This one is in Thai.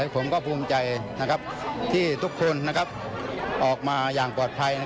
ผมก็ภูมิใจที่ทุกคนออกมาอย่างปลอดภัย